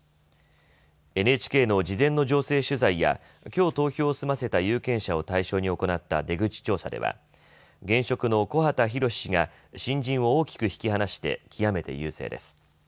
ＮＨＫの事前の情勢取材やきょう投票を済ませた有権者を対象に行った出口調査では現職の木幡浩氏が新人を大きく引き離して極めて優勢です。